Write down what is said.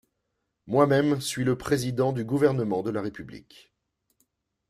Moi-même suis le président du gouvernement de la République.